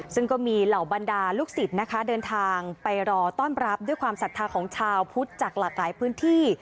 ซึ่งก็มีเหล่าบรรดาลูกศิษย์นะคะเดินทางไปรอต้อนรับด้วยความศรัทธาของชาวพุทธจากหลากหลายพื้นที่